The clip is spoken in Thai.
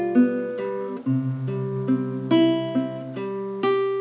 ลองมันมวลครับ